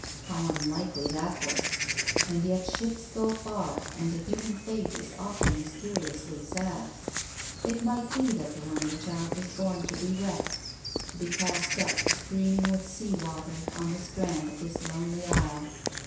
How unlikely that was ! And yet ships go far, and the human fate is often mysteriously sad. It might be that the wonder child was born to be wrecked, to be cast up, streaming with sea water on the strand of this lonely isle.